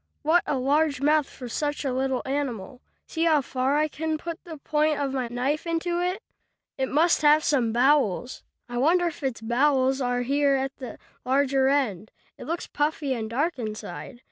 "What a large mouth for such a little animal! See how far I can put the point of my knife into it. It must have some bowels. I wonder if its bowels are here at the larger end. It looks puffy and dark inside.